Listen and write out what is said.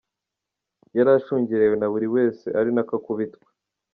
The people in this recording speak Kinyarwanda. Yari ashungerewe na buri wese ari na ko akubitwa.